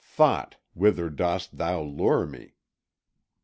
Thought, whither dost thou lure me?"